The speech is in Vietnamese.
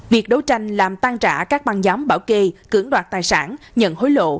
việc đấu tranh làm tăng trả các băng giám bảo kê cưỡng đoạt tài sản nhận hối lộ